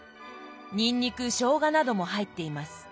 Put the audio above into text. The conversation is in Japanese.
にんにくしょうがなども入っています。